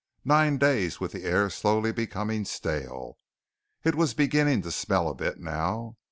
Nine days with the air slowly becoming stale. It was beginning to smell a bit, now.